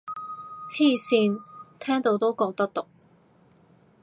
黐線，聽到都覺得毒